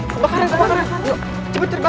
cari bantuan cari bantuan